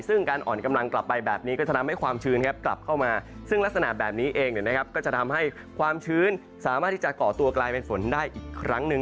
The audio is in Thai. ซึ่งการอ่อนกำลังกลับไปแบบนี้ก็จะทำให้ความชื้นกลับเข้ามาซึ่งลักษณะแบบนี้เองก็จะทำให้ความชื้นสามารถที่จะก่อตัวกลายเป็นฝนได้อีกครั้งหนึ่ง